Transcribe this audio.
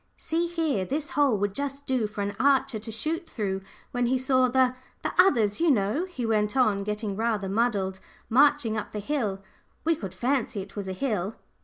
"See here, this hole would just do for an archer to shoot through when he saw the the others you know," he went on, getting rather muddled, "marching up the hill we could fancy it was a hill."